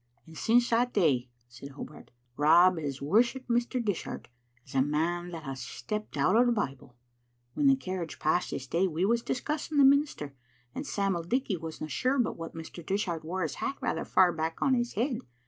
'" "And since that day," said Hobart, "Rob has wor shipped Mr. Dishart as a man that has stepped out o' the Bible. When the carriage passed this day we was discussing the minister, and Sam'l Dickie wasna sure but what Mr. Dishart wore hi3 hat rather far back on his head.